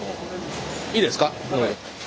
いいですか？